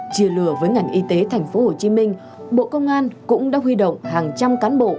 chia lừa với ngành y tế thành phố hồ chí minh bộ công an cũng đã huy động hàng trăm cán bộ